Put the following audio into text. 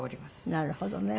なるほどね。